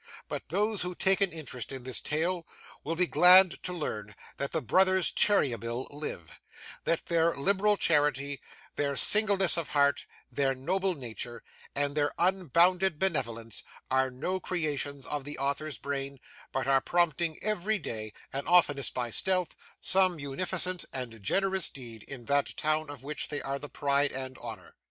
But those who take an interest in this tale, will be glad to learn that the BROTHERS CHEERYBLE live; that their liberal charity, their singleness of heart, their noble nature, and their unbounded benevolence, are no creations of the Author's brain; but are prompting every day (and oftenest by stealth) some munificent and generous deed in that town of which they are the pride and honour."